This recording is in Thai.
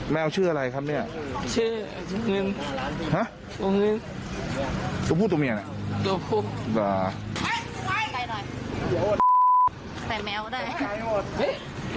แมวชื่ออะไรครับชื่อภูตรเงินภูตรเงินไหนภูตรเงิน